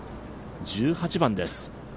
１８番です。